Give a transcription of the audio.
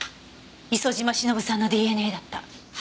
磯島忍さんのＤＮＡだった。